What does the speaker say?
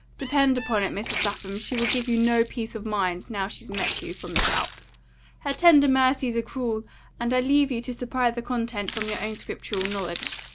Depend upon it, Mrs. Lapham, she will give you no peace of your mind, now she's met you, from this out. Her tender mercies are cruel; and I leave you to supply the content from your own scriptural knowledge.